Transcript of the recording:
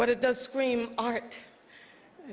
tapi itu menjerit karya